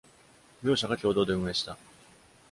両社が共同で運営した。